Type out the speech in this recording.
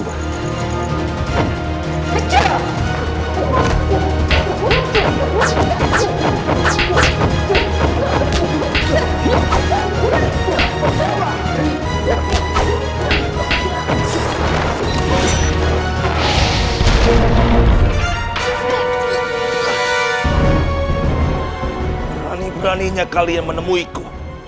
berani beraninya kalian menemuiku